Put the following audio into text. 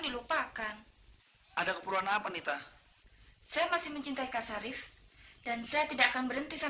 dilupakan ada keperluan apa nita saya masih mencintai ksarif dan saya tidak akan berhenti